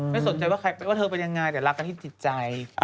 ไม่สนใจใครบอกว่าเธอเป็นยังไงเดี๋ยวรักกันที่สิทธิ์ใจ